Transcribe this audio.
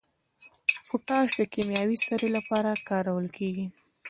پوټاش د کیمیاوي سرې لپاره کارول کیږي.